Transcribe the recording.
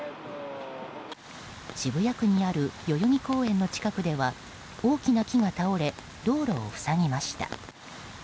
渋谷区にある代々木公園の近くでは大きな木が倒れ道路を塞ぎました。